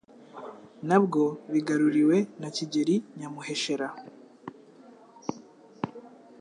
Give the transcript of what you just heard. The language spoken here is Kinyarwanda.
Nabwo bigaruriwe na Kigeli Nyamuheshera